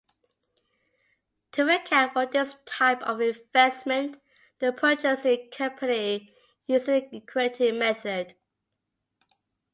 To account for this type of investment, the purchasing company uses the equity method.